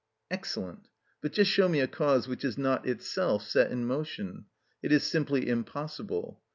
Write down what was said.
_) Excellent! But just show me a cause which is not itself set in motion: it is simply impossible.